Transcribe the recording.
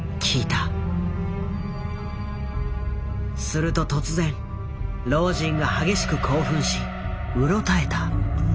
すると突然老人が激しく興奮しうろたえた。